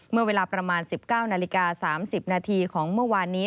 เมื่อเวลาประมาณ๑๙นาฬิกา๓๐นาทีของเมื่อวานนี้